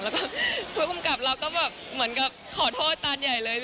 แล้วก็ผู้กำกับเราก็แบบเหมือนกับขอโทษตานใหญ่เลย